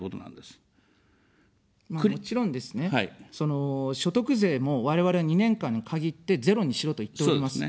もちろんですね、その所得税も、我々は２年間に限ってゼロにしろと言っております。